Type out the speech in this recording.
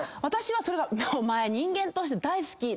私はそれがお前人間として。